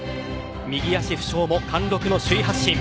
右足負傷も貫禄の首位発進。